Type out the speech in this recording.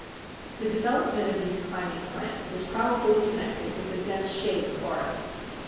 The development of these climbing plants is probably connected with the dense shade of forests.